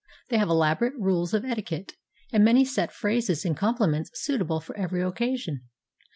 They have elaborate rules of etiquette, and many set phrases and compli ments suitable for every occasion.